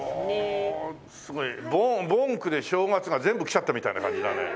すごい盆暮れ正月が全部きちゃったみたいな感じだね。